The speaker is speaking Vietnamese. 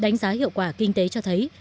đánh giá hiệu quả kinh tế cho thấy